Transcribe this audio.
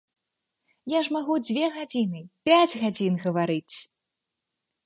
Я ж магу дзве гадзіны, пяць гадзін гаварыць!